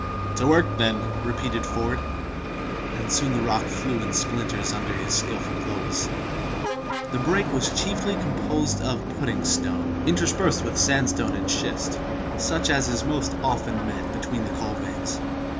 "To work, then!" repeated Ford; and soon the rock flew in splinters under his skillful blows. The break was chiefly composed of pudding stone, interspersed with sandstone and schist, such as is most often met with between the coal veins.